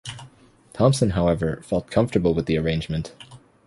Thompson, however, felt comfortable with the arrangement.